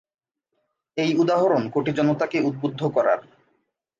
এই উদাহরণ কোটি জনতাকে উদ্বুদ্ধ করার।